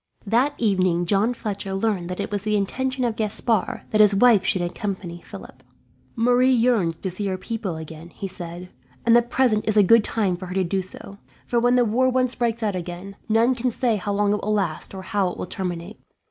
That evening John Fletcher learned that it was the intention of Gaspard that his wife should accompany Philip. "Marie yearns to see her people again," he said, "and the present is a good time for her to do so; for when the war once breaks out again, none can say how long it will last or how it will terminate.